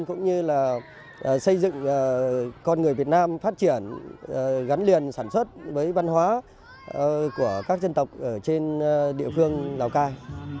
cũng như là xây dựng con người việt nam phát triển gắn liền sản xuất với văn hóa của các dân tộc ở trên địa phương lào cai